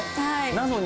なのに。